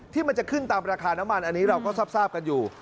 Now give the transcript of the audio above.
ที่มันจะขึ้นตามราคาน้ำมันอันนี้เราก็ทราบกันอยู่